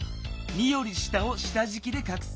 ２より下を下じきでかくす。